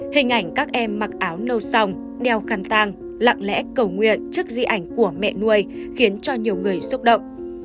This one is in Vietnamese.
hình ảnh các em mặc áo nâu xong đeo khăn tàng lặng lẽ cầu nguyện trước di ảnh của mẹ nuôi khiến cho nhiều người xúc động